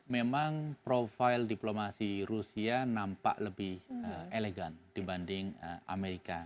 memang profil diplomasi rusia nampak lebih elegan dibanding amerika